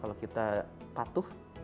kalau kita patuh